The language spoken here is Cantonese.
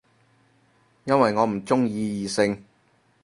因為我唔鍾意異性